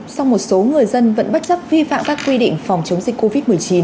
sau một số người dân vẫn bất chấp vi phạm các quy định phòng chống dịch covid một mươi chín